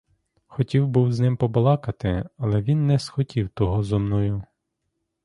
Хотів був з ним побалакати, але він не схотів того зо мною!